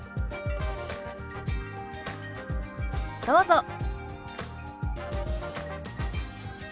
どうぞ。